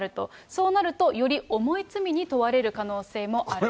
そうなると、より重い罪に問われる可能性もある。